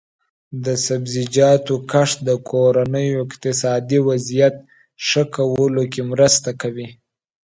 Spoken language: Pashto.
د سبزیجاتو کښت د کورنیو اقتصادي وضعیت ښه کولو کې مرسته کوي.